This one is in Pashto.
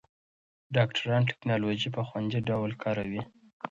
ډاکټران ټېکنالوژي په خوندي ډول کاروي.